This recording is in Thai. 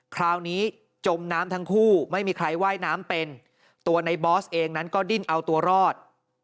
คราวนี้จมน้ำทั้งคู่ไม่มีใครว่ายน้ำเป็นตัวในบอสเองนั้นก็ดิ้นเอาตัวรอด